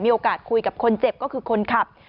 โอกาสคุยกับคนเจ็บก็คือคนขับ